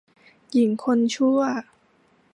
หญิงคนชั่ว